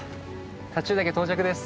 太忠岳到着です。